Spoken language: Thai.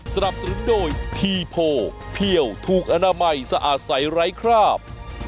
สนับสนุนโดยทีโพเพี่ยวถูกอนามัยสะอาดใสไร้คราบ